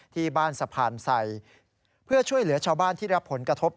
ที่บ้านสะพานไสเพื่อช่วยเหลือชาวบ้านที่รับผลกระทบ